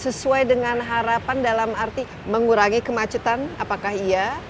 sesuai dengan harapan dalam arti mengurangi kemacetan apakah iya